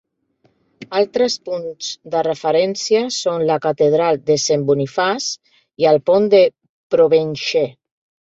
Altres punts de referència són la catedral de Saint Boniface i el pont de Provencher.